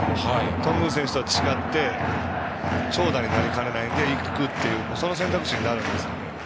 頓宮選手とは違って長打になりかねないのでその選択肢になるんですね。